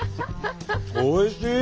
おいしい！